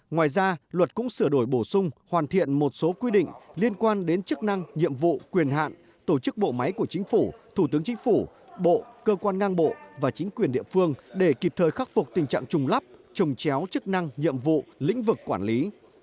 ngoài ra luật cũng sửa đổi bổ sung hoàn thiện một số quy định liên quan đến chức năng nhiệm vụ quyền hạn tổ chức bộ máy của chính phủ thủ tướng chính phủ bộ cơ quan ngang bộ và chính quyền địa phương để kịp thời khắc phục tình trạng trùng lắp trùng chéo chức năng nhiệm vụ lĩnh vực quản lý